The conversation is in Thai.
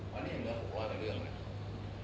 วันนี้เหลือ๖๐๐กันเรื่องเลย